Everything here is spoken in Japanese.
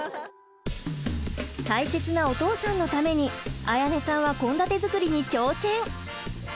大切なお父さんのために絢音さんは献立づくりに挑戦。